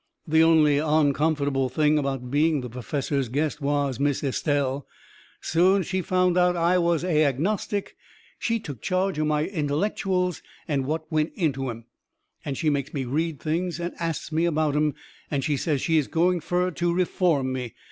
The only oncomfortable thing about being the perfessor's guest was Miss Estelle. Soon's she found out I was a agnostic she took charge o' my intellectuals and what went into 'em, and she makes me read things and asts me about 'em, and she says she is going fur to reform me.